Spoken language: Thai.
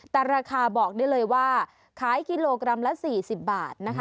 แต่ราคาบอกได้เลยว่าขายกิโลกรัมละ๔๐บาทนะคะ